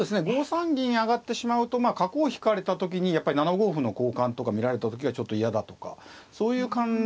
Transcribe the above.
５三銀上がってしまうとまあ角を引かれた時にやっぱり７五歩の交換とか見られた時がちょっと嫌だとかそういう関連です。